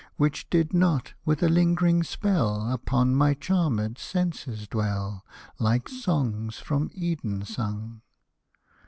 Which did not, with a lingering spell, Upon my charmed senses dwell, Like songs from Eden sung.